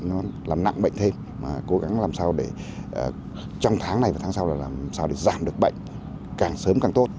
nó làm nặng bệnh thêm mà cố gắng làm sao để trong tháng này và tháng sau là làm sao để giảm được bệnh càng sớm càng tốt